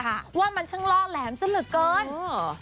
ค่ะว่ามันช่างล่อแหลมซะเหลือเกินอืม